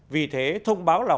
vì thế thông báo là